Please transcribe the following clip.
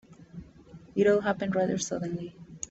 It all happened rather suddenly.